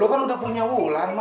lo kan udah punya wulan